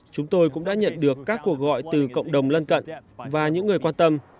chúng tôi cũng đã nhận được các cuộc gọi từ cộng đồng lân cận và những người quan tâm